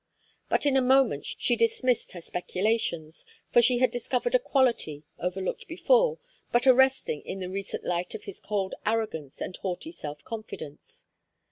But in a moment she dismissed her speculations, for she had discovered a quality, overlooked before, but arresting in the recent light of his cold arrogance and haughty self confidence.